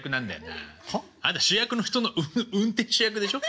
はっ？あんた主役の人の運転手役でしょ。